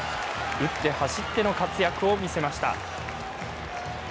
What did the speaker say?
打って走っての活躍を見せました。